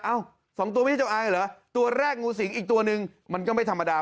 สองตัวไม่ใช่เจ้าอายเหรอตัวแรกงูสิงอีกตัวนึงมันก็ไม่ธรรมดา